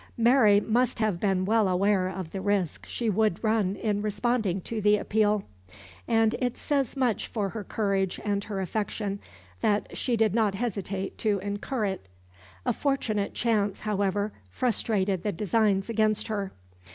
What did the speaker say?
Mary must have been well aware of the risk she would run in responding to the appeal; and it says much for her courage and her affection that she did not hesitate to incur it. A fortunate chance, however, frustrated the designs against her.